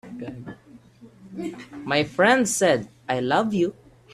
My friend said: "I love you.